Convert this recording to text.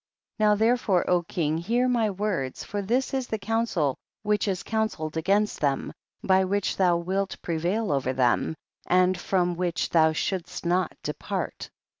48. Now therefore, O King, hear my words, for this is the counsel which is counselled against them, by which thou wilt prevail over them, and from which thou shouldst not depart.